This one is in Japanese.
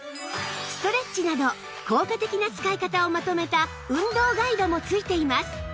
ストレッチなど効果的な使い方をまとめた運動ガイドも付いています